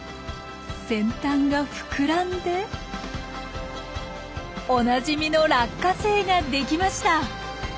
先端が膨らんでおなじみの「落花生」ができました！